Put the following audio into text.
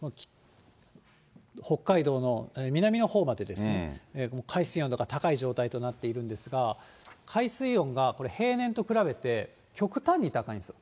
北海道の南のほうまでですね、海水温度が高い状態となっているんですが、海水温が平年と比べて極端に高いんですよ。